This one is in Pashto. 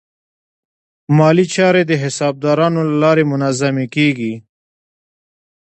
مالي چارې د حسابدارانو له لارې منظمې کېږي.